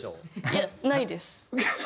いやないです。